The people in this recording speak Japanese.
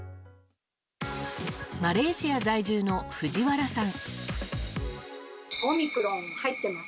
マレーシア在住の藤原さん。